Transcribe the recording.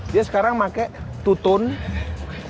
dia sekarang pakai two tone